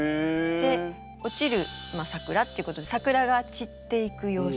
で落ちる桜ってことで桜が散っていく様子。